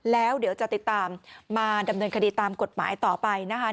แล้วเดี๋ยวจะติดตามมาดำเนินคดีตามกฎหมายต่อไปนะคะ